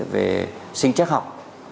về sinh chắc học